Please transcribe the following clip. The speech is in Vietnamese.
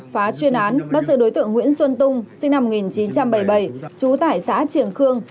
phá chuyên án bắt giữ đối tượng nguyễn xuân tung sinh năm một nghìn chín trăm bảy mươi bảy trú tại xã triềng khương